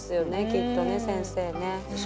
きっとね先生ねっ。